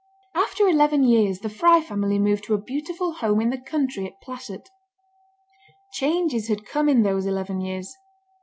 After eleven years the Fry family moved to a beautiful home in the country at Plashet. Changes had come in those eleven years.